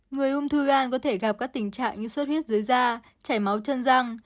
người ung thư gan có thể gặp các tình trạng như sốt huyết dưới da chảy máu chân răng